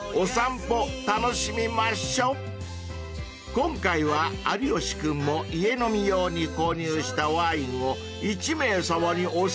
［今回は有吉君も家飲み用に購入したワインを１名さまにお裾分け］